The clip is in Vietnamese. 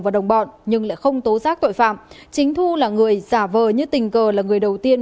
và đồng bọn nhưng lại không tố giác tội phạm chính thu là người giả vờ như tình cờ là người đầu tiên